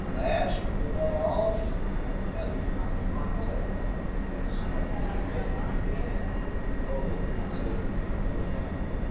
Lass, will you run off or tell him?" "I'll tell him. He can't stop me, even if he would.... The gold will save him from ruin....